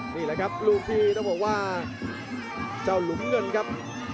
นี่แหละครับลูกที่ต้องบอกว่าเจ้าหลุมเงินครับ